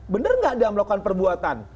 benar nggak dia melakukan perbuatan